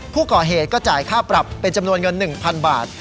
ผู้ก่อเหตุก็จ่ายค่าปรับเป็นจำนวนเงิน๑๐๐๐บาท